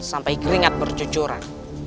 sampai keringat bercucuran